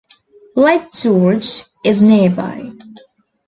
Lake George is nearby.